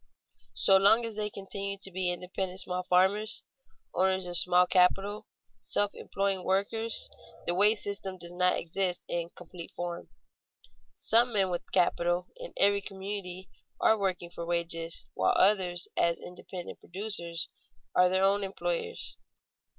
So long as they continue to be independent small farmers, owners of small capital, self employing workers, the wage system does not exist in complete form. Some men with capital in every community are working for wages, while others, as independent producers, are their own employers.